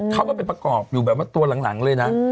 เข้าไปประกอบอยู่แบบว่าตัวหลังเลยนะ